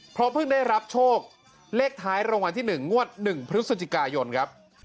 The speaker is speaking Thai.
เพราะเพิ่งได้รับโชคเลขท้ายรางวัลที่๑งวด๑พฤศจิกายนครับ